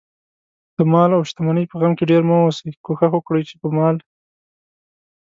دمال اوشتمنۍ په غم کې ډېر مه اوسئ، کوښښ وکړئ، چې په مال